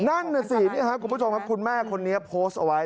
นั่นน่ะสินี่ครับคุณผู้ชมครับคุณแม่คนนี้โพสต์เอาไว้